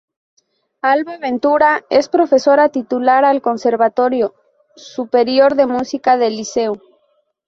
Alba Ventura es profesora titular al Conservatorio Superior de Música del Liceo.